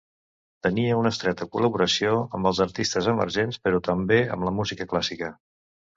Tenia una estreta col·laboració amb els artistes emergents, però també amb la música clàssica.